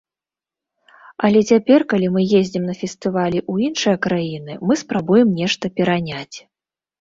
Але цяпер, калі мы ездзім на фестывалі ў іншыя краіны, мы спрабуем нешта пераняць.